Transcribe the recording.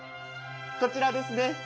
こちらですね。